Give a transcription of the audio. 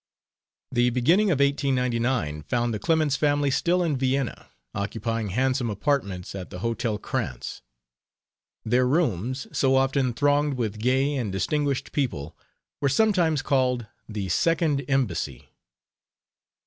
The beginning of 1899 found the Clemens family still in Vienna, occupying handsome apartments at the Hotel Krantz. Their rooms, so often thronged with gay and distinguished people, were sometimes called the "Second Embassy."